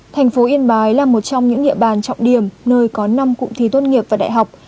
thành phố yên bái là một trong những địa bàn trọng điểm nơi có năm cụm thi tốt nghiệp và đại học